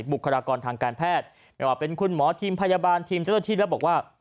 บุคลากรทางการแพทย์ไม่ว่าเป็นคุณหมอทีมพยาบาลทีมเจ้าหน้าที่แล้วบอกว่า